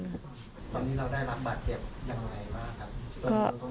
ตอนนี้เราได้รับบาดเจ็บอย่างไรบ้างครับ